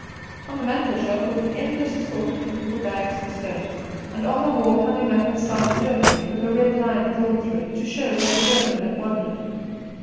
On the mantelshelf was an endless assortment of little bags and stones; and on the wall hung a map of South Germany, with a red line drawn through it to show where the German had wandered.